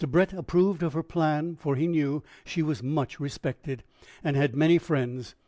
Brett approved of her plan, for he knew she was much respected, and had many friends.